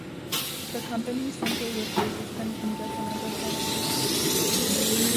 The company simply replaces him and gets another pilot to fly.